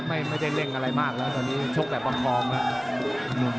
มีแฟนมืออยู่ไบล่อก็เก